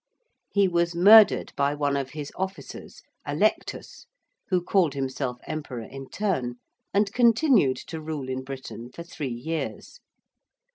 He was murdered by one of his officers, Allectus, who called himself emperor in turn and continued to rule in Britain for three years.